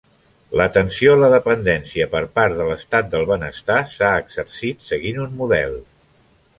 L'atenció a la dependència per part de l'Estat del Benestar s'ha exercit seguint un model.